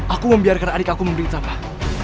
aku membiarkan adik aku memberi tesan pak